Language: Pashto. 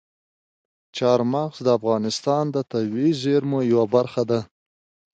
چار مغز د افغانستان د طبیعي زیرمو یوه برخه ده.